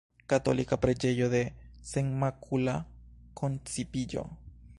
Katolika preĝejo de Senmakula koncipiĝo.